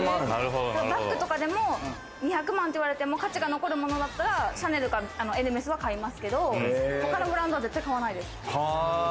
バッグとかでも、２００万っていわれても価値が残るものだったら、シャネルかエルメスは買いますけど、他のブランドは絶対買わないです。